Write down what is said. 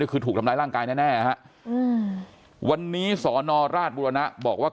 คือถูกทำร้ายร่างกายแน่ฮะอืมวันนี้สอนอราชบุรณะบอกว่า